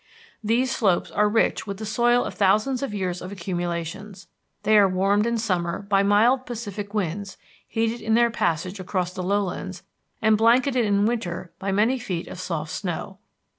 These slopes are rich with the soil of thousands of years of accumulations. They are warmed in summer by mild Pacific winds heated in their passage across the lowlands, and blanketed in winter by many feet of soft snow.